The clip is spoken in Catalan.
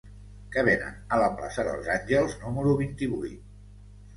Què venen a la plaça dels Àngels número vint-i-vuit?